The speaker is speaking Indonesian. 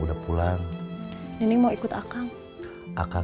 tapi mungkin juga mohon menjaksakan